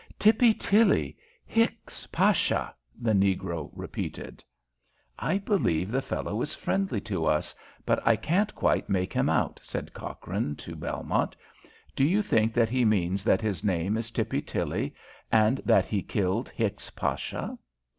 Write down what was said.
"Tippy Tilly. Hicks Pasha," the negro repeated. "I believe the fellow is friendly to us, but I can't quite make him out," said Cochrane to Belmont. "Do you think that he means that his name is Tippy Tilly, and that he killed Hicks Pasha?"